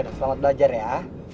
selamat belajar ya